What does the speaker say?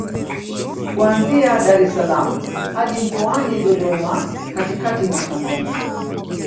kuanzia Dar es salaam hadi mkoani Dodoma katikati mwa Tanzania